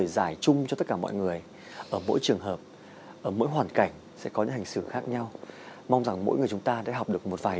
xin chào tạm biệt và hẹn gặp lại